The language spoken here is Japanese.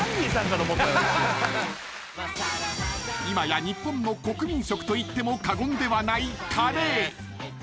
［今や日本の国民食と言っても過言ではないカレー］